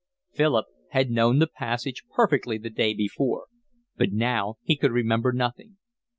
Philip had known the passage perfectly the day before, but now he could remember nothing.